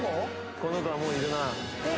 この子はもういるなえっ